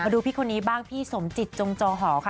ดูพี่คนนี้บ้างพี่สมจิตจงจอหอค่ะ